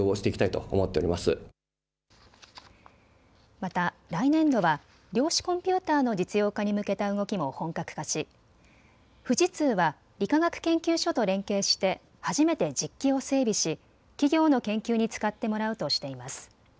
また来年度は量子コンピューターの実用化に向けた動きも本格化し富士通は理化学研究所と連携して初めて実機を整備し企業の研究に使ってもらうとしています。